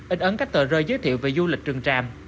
ít ấn các tờ rơi giới thiệu về du lịch rừng tràm